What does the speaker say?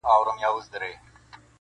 دا جلادان ستا له زاریو سره کار نه لري٫